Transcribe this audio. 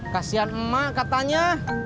kasihan emak katanya